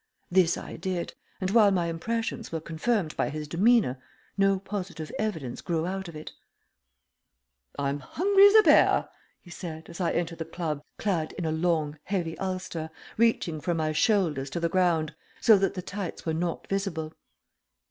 This I did, and while my impressions were confirmed by his demeanor, no positive evidence grew out of it. "I'm hungry as a bear!" he said, as I entered the club, clad in a long, heavy ulster, reaching from my shoulders to the ground, so that the tights were not visible.